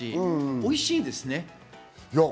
おいしいですね。